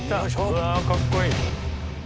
うわかっこいい。